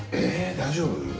大丈夫？